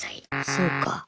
そうか。